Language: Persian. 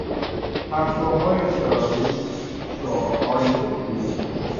پرتوهای سرالی، شعاعهای قطبی